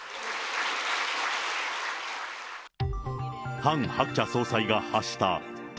ハン・ハクチャ総裁が発した天寶